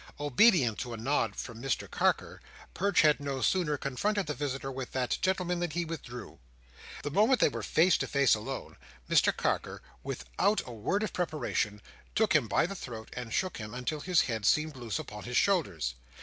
Obedient to a nod from Mr Carker, Perch had no sooner confronted the visitor with that gentleman than he withdrew. The moment they were face to face alone, Mr Carker, without a word of preparation, took him by the throat, and shook him until his head seemed loose upon his shoulders.